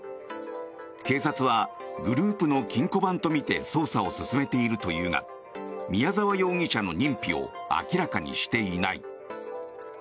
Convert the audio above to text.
警察はグループの金庫番とみて捜査を進めているというが宮沢容疑者の認否を明らかにしていない。